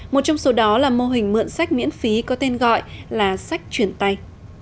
một trong số đó là mô hình mượn sách miễn phí có tên gọi là sách chuyển tay